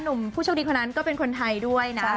ผู้โชคดีคนนั้นก็เป็นคนไทยด้วยนะ